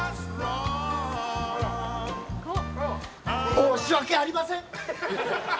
申し訳ありません！